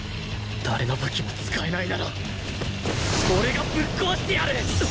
誰の武器も使えないなら俺がぶっ壊してやる！